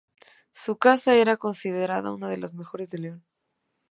Su casa era considerada una de las mejores de León.